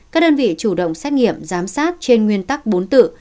các đơn vị chủ động xét nghiệm giám sát trên nguyên tắc bốn tự